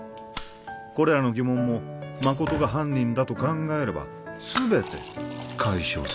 これらの疑問も誠が犯人だと考えれば全て解消される